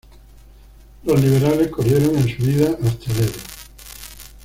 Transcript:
Los liberales corrieron en su huida hasta el Ebro.